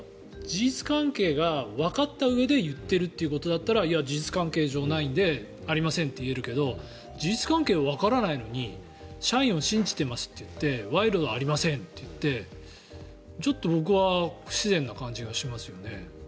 事実関係がわかったうえで言っているということだったら事実上、ナインでありませんと言えるけど事実関係わからないのに社員を信じていますと言って賄賂じゃありませんと言ってちょっと僕は不自然な感じがしますね。